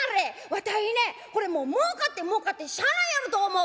わたいねこれもうもうかってもうかってしゃあないやろと思う」。